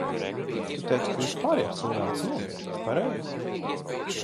Tu teici, ka visi pārējie cilvēki nomira, pareizi?